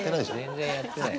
全然やってない。